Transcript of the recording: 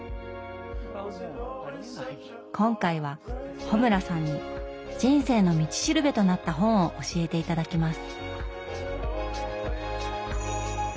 今回は穂村さんに「人生の道しるべ」となった本を教えて頂きます。